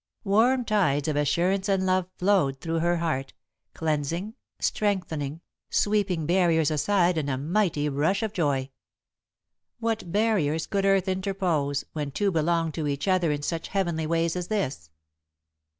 Warm tides of assurance and love flowed through her heart, cleansing, strengthening, sweeping barriers aside in a mighty rush of joy. What barriers could earth interpose, when two belonged to each other in such heavenly ways as this?